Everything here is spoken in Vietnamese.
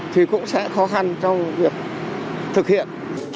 thì cũng sẽ khó khăn trong việc thực hiện